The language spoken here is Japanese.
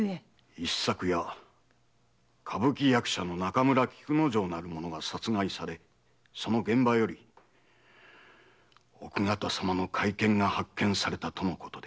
一昨夜歌舞伎役者の中村菊之丞なる者が殺害されその現場より奥方様の懐剣が発見されたとのことで。